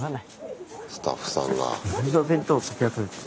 スタッフさんが。